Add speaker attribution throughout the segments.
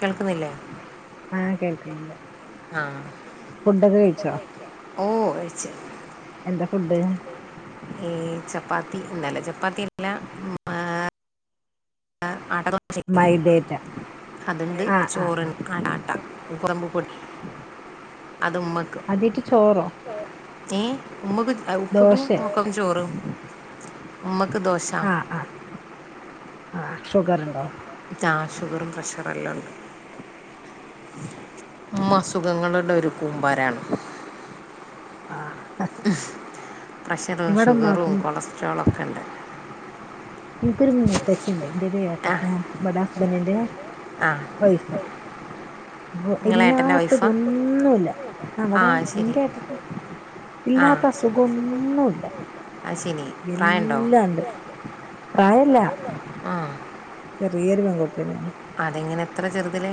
Speaker 1: കേൾക്കുന്നില്ലേ?
Speaker 2: ആഹ് കേൾക്കുന്നുണ്ട്
Speaker 1: ആഹ
Speaker 2: ഫുഡൊക്കെ
Speaker 1: കട്ടാക്കി
Speaker 2: കഴിച്ചോ
Speaker 1: വിളിക്ക. ഓ കഴിച്.
Speaker 2: എന്താ ഫുഡ്
Speaker 1: ഏ ചപ്പാത്തി ന്നലെ ചപ്പാത്തില്ല ഏ ആഹ ആട്ട ദോശ
Speaker 2: മൈദേറ്റ
Speaker 1: അത്ണ്ട്
Speaker 2: ആഹ് ആഹ്
Speaker 1: ചോറ്
Speaker 2: ആഹ്
Speaker 1: ആടാട്ട. ഉറുമ്പുപൊടി. അത് ഉമ്മക്ക്
Speaker 2: അതേറ്റ് ചോറോ
Speaker 1: ഏ ഉമ്മക്ക് ഉപ്പക്കും
Speaker 2: ദോശേ
Speaker 1: മക്കക്കും ചോറും. ഉമ്മ മ്മക്ക് ദോശ
Speaker 2: ആ
Speaker 1: ചഅ ഷുഗറും പ്രഷറെല്ലാം ഉണ്ട്.
Speaker 2: ആ
Speaker 1: ഉമ്മ അസുഖങ്ങളുടെ ഒരു കൂമ്പാരാണ്.
Speaker 2: ആ
Speaker 1: പ്രഷറും ഷുഗറും
Speaker 2: ഉമ്മാക്കും
Speaker 1: കൊളസ്ട്രോളൊ ക്കെണ്ട്.
Speaker 2: എനിക്കൊരു മൂത്തശ്ശിണ്ട് എന്റെ ഒരു ഏട്ട
Speaker 1: ആ
Speaker 2: ൻ്റെ ഇവട ബൻ്റിൻ്റെ
Speaker 1: ആ
Speaker 2: അപ്പൊ
Speaker 1: നിങ്ങളെ ഏട്ടൻ്റെ വൈഫാ
Speaker 2: ഇല്ലാത്തതൊന്നൂല്ല.
Speaker 1: ആ
Speaker 2: അവിടെ
Speaker 1: ശരി
Speaker 2: എന്റെ ഏട്ടക്ക്
Speaker 1: ആ
Speaker 2: ഇല്ലാത്ത അസുഖം ഒന്നൂല്ല.
Speaker 1: അത് ശരി പ്രായമുണ്ടോ
Speaker 2: എല്ലാണ്ട് പ്രായല്ല.
Speaker 1: ആ
Speaker 2: ചെറിയൊരു പെൺകുട്ടി തന്നെയാണ്
Speaker 1: അതെങ്ങനെ എത്ര ചെറുതിലെ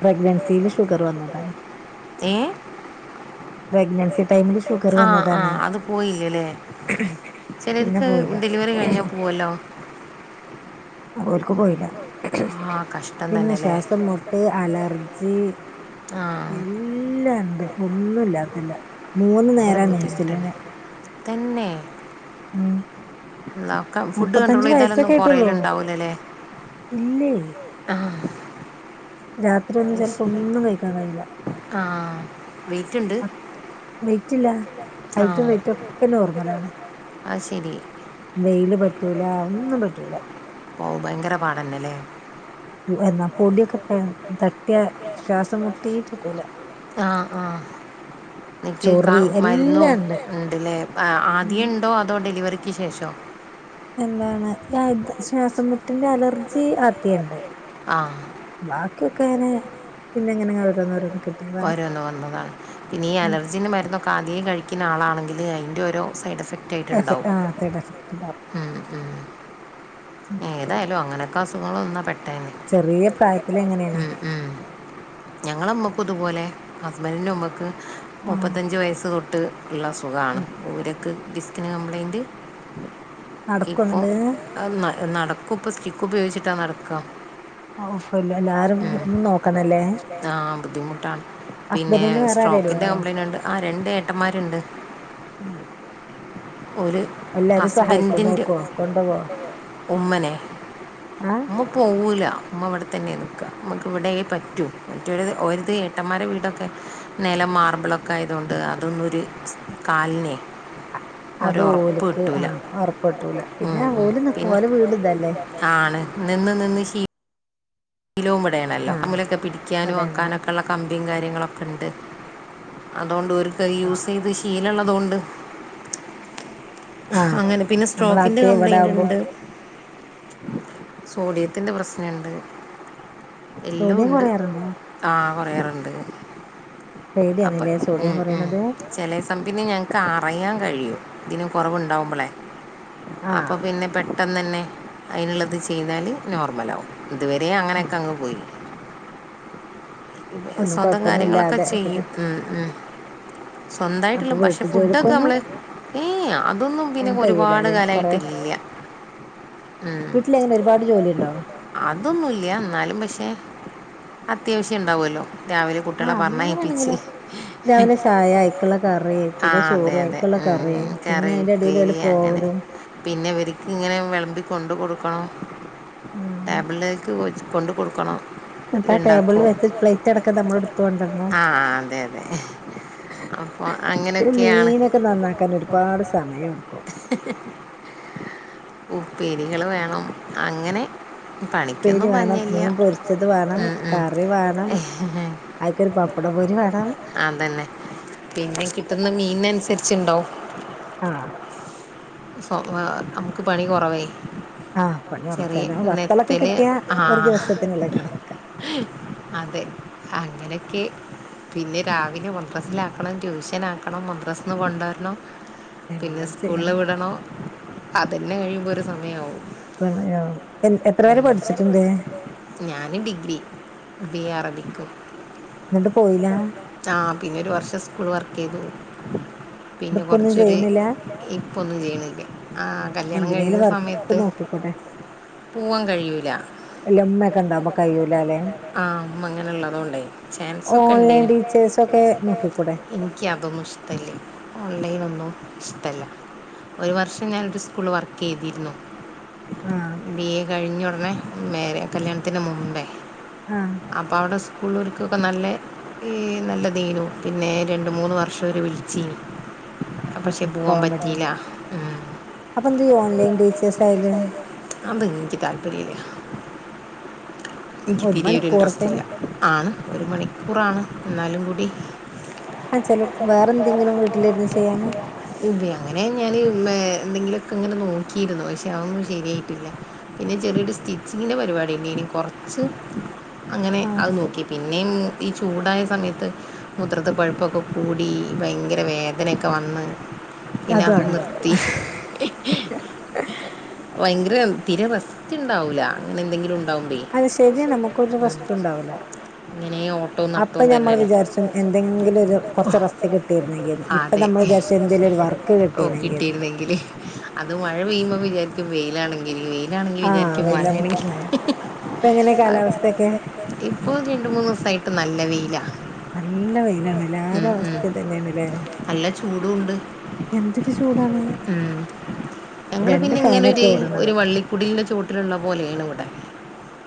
Speaker 2: പ്രഗ്നൻസില് ഷുഗർ വന്നതാണ്
Speaker 1: ഏ
Speaker 2: പ്രെഗ്നൻസി ടൈംമില്
Speaker 1: ആ ആ അത് പോയില്ലല്ലേ
Speaker 2: പിന്നെ
Speaker 1: ചിലർക്ക്
Speaker 2: പോയില്ല
Speaker 1: ഡെലിവറി കഴിഞ്ഞാൽ പോവല്ലോ
Speaker 2: ഓൽക്ക് പോയില്ല
Speaker 1: ആഹ് കഷ്ടം
Speaker 2: പിന്നെ
Speaker 1: തന്നെല്ലേ
Speaker 2: ശ്വാസം മുട്ട് അലർ ജ്
Speaker 1: ആഹ്
Speaker 2: എല്ലാം ണ്ട് ഒന്നും ഇല്ലാത്തെ ഇല്ല. മൂന്ന് നേ
Speaker 1: ഭയങ്കര
Speaker 2: രാണ്
Speaker 1: ബുദ്ധിമുട്ടാണ്
Speaker 2: ഇൻസുലിന്.
Speaker 1: തന്നെ
Speaker 2: ഉം
Speaker 1: [unintelligible] ക്കാം ഫുഡ് കൺട്രോൾ
Speaker 2: മുപ്പത്തഞ്ച്
Speaker 1: ചെയ്താലൊന്നും
Speaker 2: വയസ്സൊക്കെ ആയിട്ടുള്ളൂ
Speaker 1: കൊറയലിണ്ടാവില്ല അല്ലേ
Speaker 2: ഇല്ലേ
Speaker 1: ആ
Speaker 2: രാത്രി ഒന്നും ചിലപ്പോ ഒന്നും കഴിക്കാൻ കഴിയൂല്ല
Speaker 1: ആ വെയ്റ്റ്ണ്ട്
Speaker 2: റ്റില്ല. ഹൈറ്റും വെയ്റ്റും ഒക്കെ നോർമലാണ്
Speaker 1: അത് ശരി
Speaker 2: വെയില് പറ്റൂല ഒന്നും പറ്റൂല
Speaker 1: ഓ ഭയങ്കര പാടന്നലെ
Speaker 2: എന്നാ പൊടിയൊക്കെ തട്ടിയ ശ്വാസം മുട്ടിട്ട്ക്കൂല
Speaker 1: ആ ആ നിക്ക്
Speaker 2: ചൊറി എല്ലാം ഉണ്ട്
Speaker 1: മരുന്ന്ണ്ടല്ലേ ആദ്യേ ഉണ്ടോ അതോ ഡെലിവറി ക്ക് ശേഷം
Speaker 2: എന്താണ് ശ്വാസംമുട്ടിന്റെ അലർജി ആദ്യെണ്ട്
Speaker 1: ആ
Speaker 2: ബാക്കിയൊക്കെ അങ്ങനെ പിന്നെ എങ്ങനെങ്ങനെ ഓരോന്ന് ഓരോന്ന്
Speaker 1: ഓരോന്ന് വന്നതാണ് പിന്നെ ഈ
Speaker 2: ഉം
Speaker 1: അലർജിന്റെ മരുന്നൊക്കെ ആദ്യ കഴിക്കുന്ന ആളാണെങ്കിൽ അല്ലേ അയിൻ്റെ ഓരോ സൈഡ്എഫക്ട് എഫക്റ്റ്
Speaker 2: എഫ
Speaker 1: ആയിട്ടുണ്ടാവും
Speaker 2: ആ സൈഡ് എഫക്ട് ഉണ്ടാവും
Speaker 1: ഉം ഉം
Speaker 2: ഉം
Speaker 1: ഏതായാലും അങ്ങനെ ക്ക അസുഖങ്ങള് വന്നാ പെട്ടെന്ന് ടെൻ
Speaker 2: ചെറിയ പ്രായത്തില് എങ്ങനെയാണേ
Speaker 1: ഉം ഉം ഞങ്ങളമ്മക്കും ഇതുപോലെ ഹസ്ബന്റിൻ്റെ ഉമ്മക്ക്
Speaker 2: ആ
Speaker 1: മുപ്പത്തഞ്ച് വയസ്സ് തൊട്ട് ട്ട് ള്ളസുഖാണ് ഊരക്ക് ഡിസ്ക്കിന് കംപ്ലൈൻ ഉം
Speaker 2: നടക്കുന്നുണ്ട്
Speaker 1: എ നടക്കും ഇപ്പ സ്റ്റിക്ക് ഉപയോഗിച്ചിട്ടാ നടക്ക
Speaker 2: ഓഹ്
Speaker 1: ഏഹ് ആഹ് ബുദ്ധിമുട്ടാണ്. പിന്നെ
Speaker 2: ഹസ്ബൻഡിന് വേറെ ആരേലും ഉണ്ടോ
Speaker 1: സ്ട്രോക്കിന്റെ കംപ്ലൈയിന്റ്ണ്ട് ആ രണ്ട് ഏട്ടന്മാരുണ്ട്. ഒരു
Speaker 2: എല്ലാരും സഹായിക്കോ
Speaker 1: ഹസ്ബൻഡിൻ്റെ
Speaker 2: നോക്കോ കൊണ്ടോവോ
Speaker 1: ഉമ്മനെ
Speaker 2: ആ
Speaker 1: ഉമ്മ പോവുല. മ്മ വിടെത്തന്നെ നിക്ക. മ്മക്ക് ഇവിടെ പറ്റൂ. റ്റൊരുത് ഓര്ത് ഏട്ടന്മാരെ വീടൊക്കെ നിലം മാർബിളൊക്കെ ആയതുകൊണ്ട് അതൊന്നും ഒര് സ് കാൽന്
Speaker 2: അത് ഓലിക്ക് ആ ഒറപ്പ്ട്ടൂല.
Speaker 1: ഉം,
Speaker 2: പിന്നെ
Speaker 1: ഉം.
Speaker 2: ഓല് നിക്കു.
Speaker 1: പിന്നെ
Speaker 2: ഓലെ വീട്തല്ലേ.
Speaker 1: ആണ് നിന്ന് നിന്ന് ശീ ഇലും ഇവിടെണല്ലോ.
Speaker 2: ആ
Speaker 1: അമ്മിലൊക്കെ പിടിക്കാനും
Speaker 2: ഇവിടെയാണല്ലോ
Speaker 1: ആക്കാനൊക്കെള്ള കമ്പിയും കാര്യങ്ങളൊ ക്കെണ്ട്. അതൊണ്ട് ഒര് ക്കെ
Speaker 2: ആ
Speaker 1: യൂസ്യ്ത് ശീലള്ള തോണ്ട്
Speaker 2: ആ
Speaker 1: അങ്ങനെ പിന്നെ സ്ട്രോക്കിന്റെ
Speaker 2: നമ്മളാദ്യത്തെ ഇവിടെ ആവുമ്പോ
Speaker 1: കംപ്ലൈയിന്റ്ണ്ട് സോഡിയത്തിന്റെ പ്രസ്നണ്ട്
Speaker 2: സോഡിയം കൊറയാറുണ്ടോ
Speaker 1: കൊറയാറുണ്ട് അപ്പൊ
Speaker 2: പേടിയാണല്ലേ
Speaker 1: ഉം
Speaker 2: സോഡിയം
Speaker 1: ഉം.
Speaker 2: കുറയണത്
Speaker 1: ചേലെ സംതിങ് ഞങ്ങക്ക് ആറയാൻ കഴിയും തിന്നു കൊറവ് ണ്ടാവുമ്പളെ
Speaker 2: ആ
Speaker 1: അപ്പോ പിന്ന പെട്ട ട്ടനന്നേ അയിന്ള്ളത് ചെയ്‌താൽ നോർമൽ ആവും അത് വരെ
Speaker 2: ആ
Speaker 1: അങ്ങനൊക്കെങ് പോയി
Speaker 2: ഒന്നും
Speaker 1: സ്വന്തം കാര്യങ്ങളൊക്കെ
Speaker 2: കൊഴപ്പൊന്നുല്ലാതെ ഇരിക്കട്ടെ
Speaker 1: ചെയ്യും ഉം ഉം
Speaker 2: അപ്പൊ
Speaker 1: സ്വന്തായിട്ടുള്ളെ പക്ഷെ
Speaker 2: വീട്ടു
Speaker 1: ഫുഡ്‌ ഒക്ക
Speaker 2: ജോലിക്കൊന്നും
Speaker 1: നമ്മൾ ഈ
Speaker 2: അതിന്
Speaker 1: അതൊന്നും ഒരുപാട്
Speaker 2: കഴിയൂലല്ലെ കൊറെ
Speaker 1: കലായിട്ട് ഇല്യ
Speaker 2: വീട്ടിലെങ്ങനെ ഒരുപാട് ജോലിയുണ്ടോ
Speaker 1: ഉം തൊന്നുംല്യാ ഇന്നാലും പഷേ അത്യാവശ് ത്തിണ്ടാവല്ലോ രാവില കുട്ട്യാളെ
Speaker 2: ആഹ്
Speaker 1: പറഞ്ഞയപിച്ച്
Speaker 2: അങ്ങനെയാണെങ്കിലോ
Speaker 1: ഹ്
Speaker 2: രാവിലെ ചായ അയിക്കുള്ള കറി പിന്നെ
Speaker 1: ആഹ് അതെ
Speaker 2: ചോറ്
Speaker 1: തെ
Speaker 2: അയിക്കുള്ള
Speaker 1: ഉം
Speaker 2: കറി
Speaker 1: ഉം
Speaker 2: പിന്നെ
Speaker 1: കറി
Speaker 2: അയിന്റെ എടേല് ഓല്
Speaker 1: ഉപ്പേരി അങ്ങനെ
Speaker 2: പോവലും
Speaker 1: പിന്ന ഇവര്ക് ഇങ്ങനെ വേളമ്പി കൊണ്ട് കൊടുക്കണം
Speaker 2: ആഹ്
Speaker 1: ടാബ്‌ലെക്ക് പോയ്‌ കൊണ്ട് കൊടുക്കണം
Speaker 2: ന്ന്ട്ടാ ടേബിൾ ഓല്
Speaker 1: ഉണ്ടാക്കും
Speaker 2: വയ്ച്ച പ്ലെയ്റ്റ് അടക്കം നമ്മൾ എടുത്ത് കൊണ്ടരണം
Speaker 1: ആ അതെ അതെ അപ്പോൾ
Speaker 2: ഒരു
Speaker 1: അങ്ങനെയൊക്കെയാണ്
Speaker 2: മീൻ ഒക്കെ നന്നാക്കാൻ ഒരു പാട് സമയടുക്കും
Speaker 1: ഉപ്പേരികൾ വേണം അങ്ങനെ
Speaker 2: പ്പേരി
Speaker 1: പണിക്കൊന്നും
Speaker 2: വേണം മീൻ പൊരിച്ചത് വേണം കറി
Speaker 1: പപ്പട
Speaker 2: വേണം
Speaker 1: പൊരി വേണം
Speaker 2: അയിക്കൊരു പപ്പട പൊരി വേണം
Speaker 1: അതന്നെ പിന്നെ കിട്ടുന്ന മീൻ ന് അനുസരിച്ച് ണ്ടാവും
Speaker 2: ആഹ്
Speaker 1: സോ നമുക്ക് പണി കുറവായി
Speaker 2: ആ പണി കൊറച്ചല് വത്തളൊക്കെ കിട്ടിയാ ഒരു
Speaker 1: ആ
Speaker 2: ദിവസത്തിനുള്ള കണക്കാ
Speaker 1: അതെ അങ്ങനൊക്കെ പിന്നെ രാവിലെ മദ്രസ്സിലാക്കണം ട്യൂഷനാക്കണം ബസ്ന്ന് കൊണ്ടോരണം പിന്നെ
Speaker 2: എല്ലാം
Speaker 1: സ്കൂളിൽ
Speaker 2: ചെയ്യണം
Speaker 1: വിടണം അതന്നെ കഴിയുമ്പൊ ഒരു സമയാവും
Speaker 2: ആ എത് എത്ര വരെ പഠിച്ചിട്ടുണ്ട്
Speaker 1: ബിയെ അറബിക്ക്
Speaker 2: എന്നിട്ട് പോയില്ല എന്നിട്ട്
Speaker 1: ആ പിന്നെ ഒരു വർഷം സ്കൂൾ വർക്ക് ചെയ്തു‌ പിന്നെ
Speaker 2: ഇപ്പൊ ഒന്നും
Speaker 1: കുറച്ചൊരു
Speaker 2: ചെയ്യുന്നില്ല
Speaker 1: ഇപ്പൊന്നും ചെയ്യണ്ല്ല ആ കല്യാണം കഴിഞ്ഞ
Speaker 2: എന്തിനേലും വർക്ക്
Speaker 1: സമയത്ത്
Speaker 2: നോക്കിക്കൂടെ
Speaker 1: പൂവൻ കഴിയൂല
Speaker 2: വല്ല ഉമ്മയൊക്കെ ഉണ്ടാവുമ്പോ കഴിയൂലല്ലെ
Speaker 1: ആ ഉമ്മ ഇങ്ങനെ ഉള്ളതൊണ്ടെ ചാൻസ് ഒക്കെ
Speaker 2: ഓൺലൈൻ
Speaker 1: ഇണ്ടനി
Speaker 2: ടീച്ചേഴ്സ് ഒക്കെ നോക്കിക്കൂടെ
Speaker 1: എനിക്ക് അതൊന്നും ഇഷ്ടല്ലേ ഓൺലൈൻ ഒന്നും ഇഷ്ടല്ല ഒരു വർഷം ഞാനൊരു സ്കൂള് വർക്ക് ചെയ്തിരുന്നു
Speaker 2: ആഹ്
Speaker 1: ബിയെ കഴിഞ്ഞ ഉടനെ മേരെ കല്യണത്തിന്റെ മുമ്പെ
Speaker 2: ആഹ്
Speaker 1: അപ്പോ അവിടെ സ്കൂൾ ഇളോര്ക്ക് നല്ല ഇതേയിനു പിന്നെ രണ്ട് മുന്ന് വർഷം വിളിച്ചീനി പക്ഷെ പോകാൻ
Speaker 2: പോവാൻ പറ്റില്ല
Speaker 1: പറ്റിയില്ല ഉം.
Speaker 2: അപ്പോ എന്താ ഈ ഓൺലൈൻ ടീച്ചേഴ്സ് ആയാല്
Speaker 1: അത് ഇൻക്ക് താല്പര്യം ഇല്ല എനിക്ക് തീരെ ഒരു ഇൻഡ്രസ്റ്റ് ഇല്ല അണ് ഒരു മണിക്കൂർ അണ് ന്നാലും കൂടി
Speaker 2: ആ ചില വേറെ എന്തെങ്കിലും വീട്ടിലിരുന്ന് ചെയ്യാന്
Speaker 1: ഉപയോഗങ്ങനെ കഴിഞ്ഞാല് മേ എന്തങ്കിലും ഒക്കെ ഇങ്ങനെ നോക്കി ഇരുന്നു പക്ഷേ അത് ഒന്നും ശരിയായിട്ടില്ല പിന്നെ ചെറിയ ഒരു സ്റ്റിച്ചിംഗിൻ്റെ പരിപാടി ഇണ്ടായിരുന്നു കൊറച്ച് [unintelligible] അങ്ങനെ
Speaker 2: ആഹ്
Speaker 1: അത് നോക്കി പിന്നെ ഇങ്ങ ഇ ചുടായ സമയത്ത് മൂത്രത്തിപ്പഴുപ്പ് ഒക്കെ കുടി ഭയങ്കര വേദന ഓക്കെ വന്ന് പിന്നെ അതും നിർത്തി വയൻഗ്ര പിന്നെ റസ്റ്റ് ഉണ്ടാവില്ല അങ്ങനെ എന്തെങ്കിലും ഉണ്ടാവുമ്പോ അത്
Speaker 2: ശരിയാണ്
Speaker 1: ശരിയാ റസ്റ്റ്
Speaker 2: നമുക്കൊരു റെസ്റ്റും
Speaker 1: ഉണ്ടാവില്ല
Speaker 2: ഉണ്ടാവൂല
Speaker 1: ഇങ്ങനെ ഓട്ടും നട
Speaker 2: അപ്പൊ
Speaker 1: ത്തും
Speaker 2: നമ്മൾ
Speaker 1: അല്ലേ
Speaker 2: വിചാരിച്ചും എന്തെങ്കിലും ഒരു കുറച്ച് റെസ്റ്റ് കിട്ടിയിരുന്നെങ്കിന്ന് ഇപ്പൊ നമ്മൾ വിചാരിച്ചു എന്തെലും ഒരു വർക്ക് കിട്ടിയിരുന്നെങ്കിന്ന്
Speaker 1: വെയിൽ ആണെങ്കിൽ വെയിൽ വെയിൽ ആണെങ്കിൽ
Speaker 2: ആഹ്
Speaker 1: വിചാരിക്കും മഴ
Speaker 2: വെയില
Speaker 1: ആണെങ്കിലും
Speaker 2: മഴ ഇപ്പ എങ്ങനെ കാലാവസ്ഥയൊക്കെ
Speaker 1: ഇപ്പോ രണ്ടു മൂന്നു ദിവസമായിട്ട് ഇപ്പൊ നല്ല വെയിലാ
Speaker 2: നല്ല വെയിലാണ് എല്ലാരുടെ
Speaker 1: ഉം
Speaker 2: അവസ്ഥ
Speaker 1: ഉം
Speaker 2: ഇതെന്നെയാണ് ലൊ
Speaker 1: നല്ല ചൂടും ഉണ്ട്
Speaker 2: എന്തൊരു ചൂടാ
Speaker 1: ഉം ഞങ്ങള്
Speaker 2: രണ്ട് ഫോൻ ഓകെഓടുന്നത്
Speaker 1: കൂട്ട് ഉള്ളതുപോലെയാണ് ഇവിടെ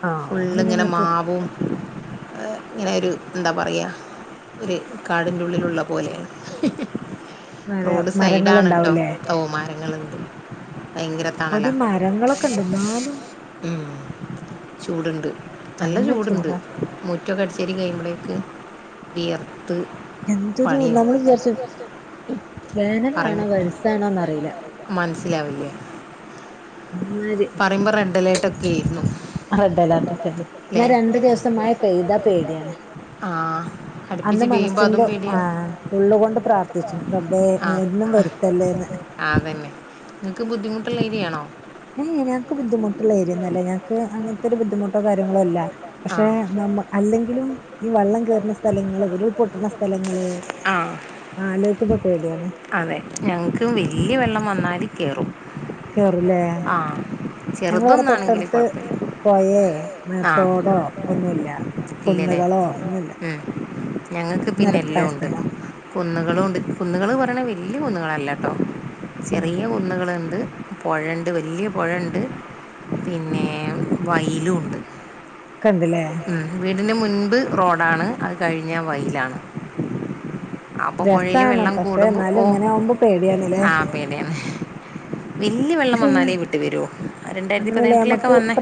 Speaker 2: ആഹ്
Speaker 1: ഫുൾ
Speaker 2: അതുകൊണ്ട് പിന്നെ
Speaker 1: ഇങ്ങനെ
Speaker 2: നിങ്ങക്ക്
Speaker 1: മാവും ഇങ്ങനെ ഒരു എന്താ പറയാ കാടിനുള്ളിൽ ഉള്ളതുപോലെയാണ്
Speaker 2: നല്ല
Speaker 1: റോഡ് സൈഡ് ആണ് ട്ടോ
Speaker 2: മരങ്ങളുണ്ടാവൂലേ
Speaker 1: തേവമാരം ഇങ്ങൾ എന്ത്
Speaker 2: ഇവിടെ മരങ്ങൾ ഓക്കെ യുണ്ട് എന്നാലും
Speaker 1: ചുട് ഉണ്ട് നല്ല ചുട് ഉണ്ട് മുറ്റം ഒക്കെ അടിച്ച് വാരി കഴിയുമ്പോളോക്ക് വിയർ പ്പ്
Speaker 2: എന്തൊരു
Speaker 1: പണിയാവും
Speaker 2: നമ്മൾ വിചാരിച്ചു വേനലാണോ
Speaker 1: പറഞ്ഞാൽ
Speaker 2: വരിസാണോന്ന് അറിയില്ല
Speaker 1: മനസിലാവില്ല
Speaker 2: അമ്മാതിരി
Speaker 1: പറിമ്പോ റേഡ് അലോട്ട് ഒകെയായിരുന്നു
Speaker 2: ഇന്ന രണ്ട് ദിവസം മഴ പെയ്താൽ പൊടിയാണ്
Speaker 1: ആ
Speaker 2: അന്ന്
Speaker 1: അടുപ്പിച്ച് പെയ്യുമ്പോ അതും
Speaker 2: മനസ്സിന്റെ
Speaker 1: പേടിയാണ്
Speaker 2: ഉള്ള് കൊണ്ട് പ്രാർത്ഥിക്കും റബ്ബേ
Speaker 1: ആ
Speaker 2: ഒന്നും വരുന്നല്ലേ
Speaker 1: ഇക്ക് ബുദ്ധിമുട്ട് ഉള്ളതിനെയാണോ
Speaker 2: എ ഞങ്ങൾക്ക് ബുദ്ധിമുട്ട് ഉള്ള എരിയ യെന്നുമല്ല ഞങ്ങക്ക് അങ്ങനത്തെ ഒരു ബുദ്ധി ബുദ്ധിമുട്ടോ കാര്യങ്ങളെ ഇല്ല
Speaker 1: ആ
Speaker 2: പക്ഷേ നമ അല്ലകിലും ഇവള്ളം കയറുന്ന സ്ഥലങ്ങളിൽ ഉരുൾ പൊട്ടുന്ന സ്ഥലങ്ങൾ
Speaker 1: ആ
Speaker 2: അലോയിച്ചു മ്പോ പെടിയാണ്
Speaker 1: അതെ ഞങ്ങൾക്ക് വലിയ വെള്ളം വന്നാൽ കയറും
Speaker 2: കേറുല്ലേ
Speaker 1: ആ
Speaker 2: ഞങ്ങളൊക്കെ
Speaker 1: ചെറുതൊന്നാണെങ്കിൽ
Speaker 2: തൊട്ടാട്ത്ത്
Speaker 1: കുഴപ്പമില്ല
Speaker 2: പൊ ഴേ
Speaker 1: ആ
Speaker 2: തോടോ ഒന്നുല്ല കുന്നുകളോ
Speaker 1: ഞങ്ങക്ക്
Speaker 2: നിരപ്പായ
Speaker 1: പിന്നെല്ലോംണ്ട്‌
Speaker 2: സ്ഥലാ
Speaker 1: കുന്നുകളൂണ്ട് കുന്നുകള് പറയ്ണെ വല്യ കുന്നുകളല്ലട്ടോ
Speaker 2: ഉം
Speaker 1: ചെറിയ കുന്നുകള്ണ്ട്‌ പൊഴണ്ട് വല്യ പൊഴണ്ട് പിന്നെ വയിലൂണ്ട്
Speaker 2: ഒക്കെണ്ട്ല്ലേ
Speaker 1: മ്മ് വീ അതിന്റെ മുൻമ്പ് റോടാണ് അത് കഴിഞ്ഞാ വയലാണ് അപ്പോൾ പുഴയിൽ
Speaker 2: രസാണ്
Speaker 1: വെള്ളം
Speaker 2: പക്ഷെ
Speaker 1: കൂടുമ്പോൾ
Speaker 2: എന്നാലും
Speaker 1: ഓ
Speaker 2: ഇങ്ങനെയാവുമ്പോ പേടിയാണല്ലേ
Speaker 1: വെല്ല്യ വള്ളം വന്നാലേ വീട്ടി വരൂ ആ രണ്ടായിരത്തിപ്പതിനെട്ടിലൊക്കെ വന്നെ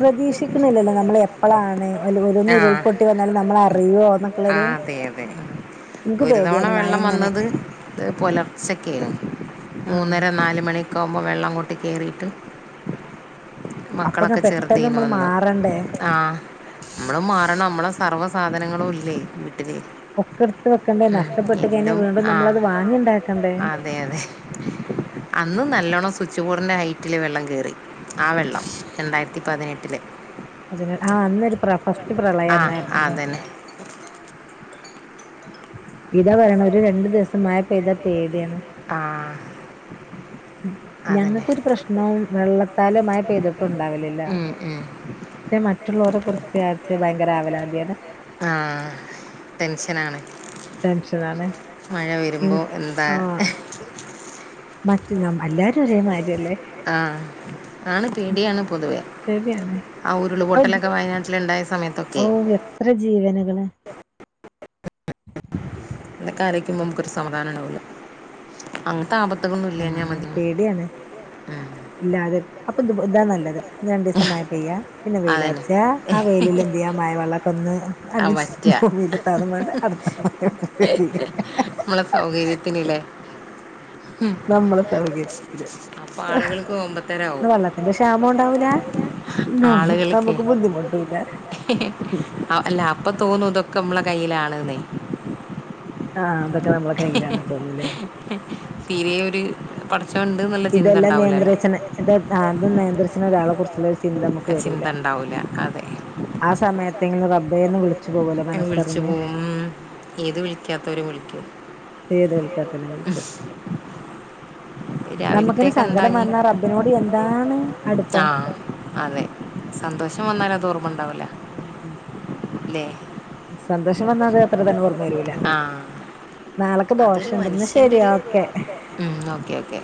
Speaker 2: പ്രതീഷിക്കണില്ലല്ലോ നമ്മളെപ്പളാണ്
Speaker 1: ആ
Speaker 2: എന്നൊക്കെള്ളൊരു
Speaker 1: അതെയതെ
Speaker 2: ഇൻക്ക്
Speaker 1: ഒരു തവണ
Speaker 2: പേടിയാണ് മഴ
Speaker 1: വെള്ളം
Speaker 2: ഇങ്ങനെ
Speaker 1: വന്നത് പോലർച്ചക്കേനു
Speaker 2: ആഹ്
Speaker 1: മൂന്നര നാല് മണി ക്കാവുമ്പോ വെള്ളങ്ങോട്ട് കേറീട്ട്
Speaker 2: അപ്പൊക്കെ പെട്ടന്നമ്മള് മാറണ്ടേ
Speaker 1: മാറണമ്മള് സർവ്വ സാധനങ്ങളുല്ലേ വി ട്ടില്
Speaker 2: ഒക്കെ എടുത്ത് വെക്കണ്ടേ
Speaker 1: ഉം
Speaker 2: നഷ്ടപ്പെട്ട് കഴിഞ്ഞാൽ
Speaker 1: എന്നും
Speaker 2: വീണ്ടും
Speaker 1: ആ
Speaker 2: നമ്മളത് വാങ്ങിണ്ടാക്കണ്ടേ
Speaker 1: അതേയതെ അന്നും ന ല്ലോണം സ്വിച്ച്ബോഡിന്റെ ഹൈറ്റില് വെള്ളം കേറി ആ വെള്ളം രണ്ടായിരത്തിപ്പത്തിനെട്ടിലെ
Speaker 2: അതിന് ആ അന്നൊരു പ്ര ഫസ്റ്റ് പ്രളയം
Speaker 1: ആഹ്
Speaker 2: അന്നായിരുന്നല്ലെ
Speaker 1: അതന്നെ
Speaker 2: ഇതവേണൊരു രണ്ട് ദിവസം മഴ പെയ്താ പേടിയാണ്
Speaker 1: ആഹ് അതന്നെ
Speaker 2: ഞങ്ങക്കൊരു പ്രശ്നവും വെള്ളത്താലെ മഴ പെയ്തിട്ട് ണ്ടാവലില്ല
Speaker 1: ഉം ഉം
Speaker 2: ക്ഷേ മറ്റുള്ളോരെ കുർച്ച് ആച്ച് ഭയ്ങ്കര അവലാത്യാണ്
Speaker 1: ആഹ് ടെൻഷനാണ്
Speaker 2: ടെൻഷനാണ്
Speaker 1: മഴ വരുമ്പോ എന്താ
Speaker 2: മറ്റുന്നം എല്ലാരും ഒരേമാരി
Speaker 1: ആ ആണ് പേടിയാണ് പൊതുവെ
Speaker 2: ശരിയാണ്
Speaker 1: ആ ഉരുളു പൊട്ടലൊക്കെ വയനാട്ടില് ണ്ടായ സ
Speaker 2: ഓഹ് എത്ര ജീവന് ക്ക്‌ണ്
Speaker 1: തൊക്കാലോയ്ക്കുമ്പോ നമ്മക്കൊരു സമാദാനണ്ടാവൂല
Speaker 2: സമാധാനം പേടിയാണ് ഇല്ലാതെ അപ്പം ത് ഇതാ നല്ലത് രണ്ടീസം മഴ പെയ്യാ പിന്നെ
Speaker 1: അതന്നെ
Speaker 2: വെയിലർച്ച ആ വെയിലില് എന്തെയ്യാ മഴവെള്ളം ഒക്കെ ഒന്ന്
Speaker 1: അ
Speaker 2: അതി
Speaker 1: വറ്റ
Speaker 2: ഭൂമിയിലെത്താതെ വേണ്ട അടുത്ത
Speaker 1: മ്മുളെ സൗകര്യത്തിന് ലെ മ്
Speaker 2: നമ്മളെ സൗകര്യത്തില്
Speaker 1: അപ്പം ആളുകൾ കൊമ്പതരം ആവും
Speaker 2: വെള്ളത്തിന്റെ ക്ഷാമം ഉണ്ടാവൂല
Speaker 1: [unintelligible] ആളുകൾക്കെ
Speaker 2: നമുക്ക് ബുദ്ധിമുട്ടൂല്ല
Speaker 1: ഇല്ല അപ്പൊ തോന്നും ഇതൊക്കെ നമ്മളെകൈ യിലാണ്ന്നെ
Speaker 2: ആ അതൊക്കെ നമ്മളെ കൈയിലാണ് തോന്നൂല്ലേ.
Speaker 1: തീരെ ഒര് പട
Speaker 2: ഇതെല്ലാം നിയന്ത്രിച്ച്ണ ഇത് ആ നിയന്ത്രികച്ച്ണ ഒരാളും [unintelligible]
Speaker 1: ആചിന്ത ഉണ്ടാവുല
Speaker 2: ആ സമയ [unintelligible]
Speaker 1: വിളിച്ച്പോവും മം ഏത് വിളിക്കാത്തോരും വിളിക്കും
Speaker 2: ഏത് വിളിക്കാത്തെല്ലാം വിളിക്കും നമുക്കിന്
Speaker 1: രാവിലത്തേക്ക് എന്താ
Speaker 2: സങ്കടം
Speaker 1: ഞ്ഞി
Speaker 2: വന്നാ റബ്ബിനോട് എന്താണ് അടുപ്പം
Speaker 1: ആ അതെ സന്തോഷം വന്നാൽ അത് ഓർ മ്മ ണ്ടാവുല്ല
Speaker 2: ഉം
Speaker 1: ലെ
Speaker 2: സന്തോഷം വന്നാൽ അതെ എത്ര തന്നെ ഓർമ്മ വരുല്ല
Speaker 1: ആ
Speaker 2: നാളെ
Speaker 1: അതൊരു മനുഷ്യന്റെ ഒരു മ്മ് ഓക്കേ ഓക്കേ